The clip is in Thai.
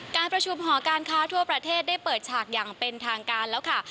การประชุมหอการค้าทั่วประเทศได้เปิดฉากอย่างเป็นทางการแล้วค่ะ